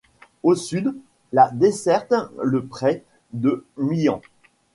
Au sud, la dessert le Pré de Mians.